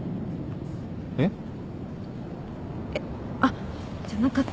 えっ？えっ？あっじゃなかった。